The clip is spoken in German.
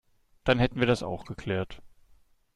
Dann hätten wir das auch geklärt.